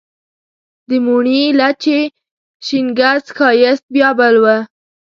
د موڼي، لچي، شینګس ښایست بیا بل و